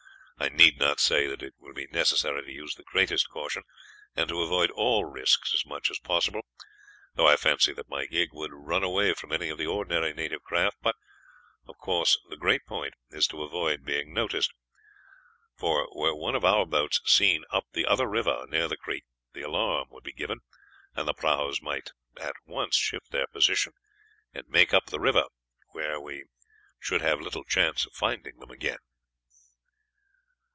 I need not say that it will be necessary to use the greatest caution, and to avoid all risks as much as possible, though I fancy that my gig would run away from any of the ordinary native craft; but, of course, the great point is to avoid being noticed, for were one of our boats seen up the other river near the creek, the alarm would be given, and the prahus might at once shift their position, and make up the river, where we should have little chance of finding them again."